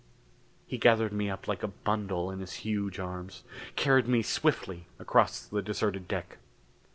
He gathered me up like a bundle in his huge arms; carried me swiftly across the deserted deck.